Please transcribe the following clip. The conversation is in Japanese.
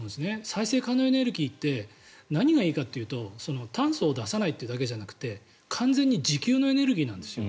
再生可能エネルギーって何がいいかというと炭素を出さないというだけじゃなくて完全に自給のエネルギーなんですよ。